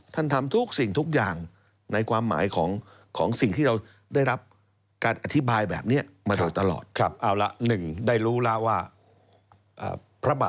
ท่านทำทุกสิ่งทุกอย่างในความหมายของสิ่งที่เราได้รับ